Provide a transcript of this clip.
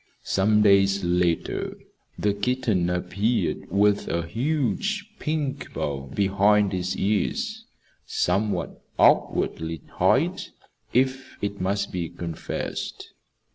Some days later the kitten appeared with a huge pink bow behind its ears, somewhat awkwardly tied, if it must be confessed.